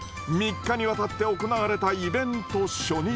３日にわたって行われたイベント初日。